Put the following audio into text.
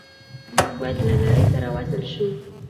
موږ باید له نړۍ سره وصل شو.